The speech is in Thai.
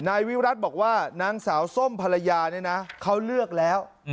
นายวิรัติบอกว่านางสาวส้มภรรยาเนี่ยนะเขาเลือกแล้ว